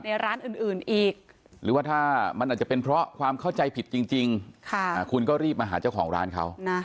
ในร้านอื่นอีกหรือว่าถ้ามันอาจจะเป็นเพราะความเข้าใจผิดจริงคุณก็รีบมาหาเจ้าของร้านเขา